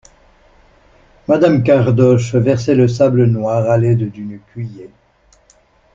Madame Cardoche versait le sable noir à l'aide d'une cuiller.